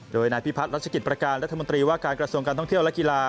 โดยนายพิพัฒนรัชกิจประการรัฐมนตรีว่าการกระทรวงการท่องเที่ยวและกีฬา